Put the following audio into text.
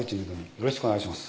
よろしくお願いします